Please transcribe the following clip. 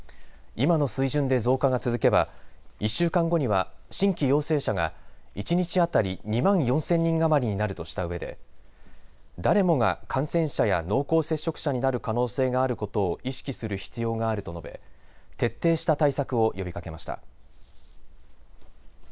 今の水準で増加が続けば１週間後には新規陽性者が一日当たり２万４０００人余りになるとしたうえで誰もが感染者や濃厚接触者になる可能性があることを意識する必要があると述べ、徹底した対策を呼びかけました。